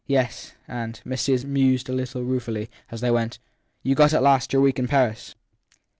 Yes, and Miss Susan mused a little ruefully as they went you got at last your week in Paris